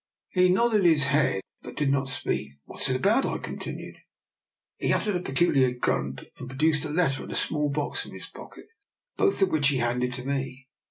He nodded his head, but did not speak. " What is it about? " I continued. He uttered a peculiar grunt, and produced a letter and a small box from his pocket, both of which he handed to me.